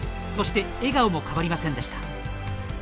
そして笑顔も変わりませんでした。